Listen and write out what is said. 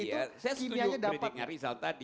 iya saya setuju kritiknya rizal tadi